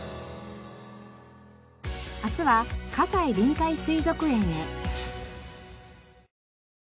明日は西臨海水族園へ。